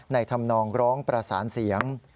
ทำนองร้องประสานเสียง